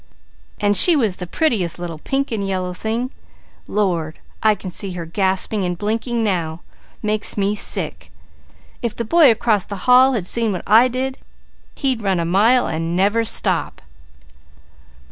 And she was the prettiest little pink and yellow thing. Lord! I can see her gasping and blinking now! Makes me sick! If the boy across the hall had seen what I did, he'd run a mile and never stop.